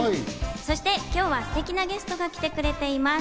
そして今日はステキなゲストが来てくれています。